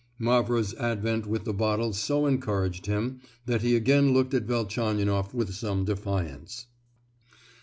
Mavra's advent with the bottle so encouraged him that he again looked at Velchaninoff with some defiance.